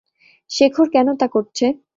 শেখর কেন তা করছে?